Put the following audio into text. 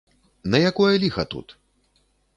На якое ліха тут?